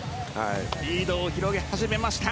リードを広げ始めました。